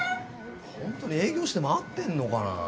本当に営業して回ってるのかな。